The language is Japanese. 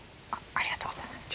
ありがとうございます。